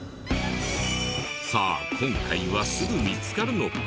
さあ今回はすぐ見つかるのか？